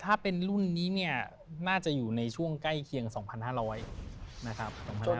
ถ้าเป็นรุ่นนี้เนี่ยน่าจะอยู่ในช่วงใกล้เคียง๒๕๐๐นะครับ